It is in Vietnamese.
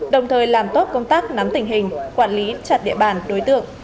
đồng thời làm tốt công tác nắm tình hình quản lý chặt địa bàn đối tượng